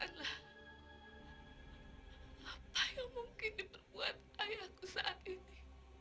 apa yang mungkin diperbuat ayahku saat ini